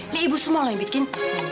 ini ibu semua yang bikin